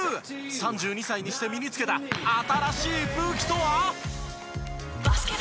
３２歳にして身につけた新しい武器とは？